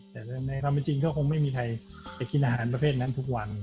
แต่ในความเป็นจริงก็คงไม่มีใครไปกินอาหารประเภทนั้นทุกวัน